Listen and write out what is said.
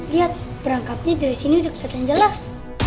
liat perangkapnya dari sini udah keliatan jelas